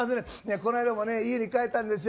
この間も、家に帰ったんです